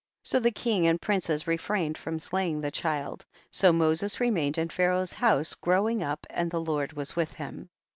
31. So the king and princes re frained from slayincr the child, so Moses remained in Pharaoh's house, growing up, and the Lord was with him.